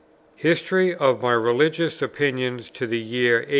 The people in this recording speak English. HISTORY OF MY RELIGIOUS OPINIONS TO THE YEAR 1833.